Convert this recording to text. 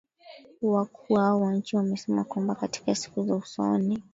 Wakuu hao wa nchi wamesema kwamba katika siku za usoni